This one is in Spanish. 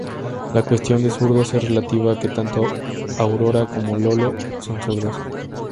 La cuestión de "zurdos" es relativa a que tanto Aurora como Lolo son zurdos.